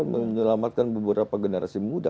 menyelamatkan beberapa generasi muda